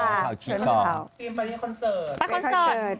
ไปที่คอนเสิร์ต